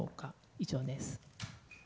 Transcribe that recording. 以上です。